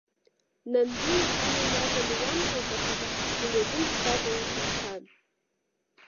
Нанду ирхны инаганы иамҵалҵахьаз аҳаскьын иакьымсӡакәа ус ишьҭан.